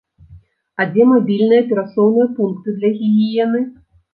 А дзе мабільныя перасоўныя пункты для гігіены?